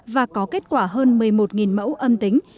và có kết quả hơn một mươi một mẫu âm tính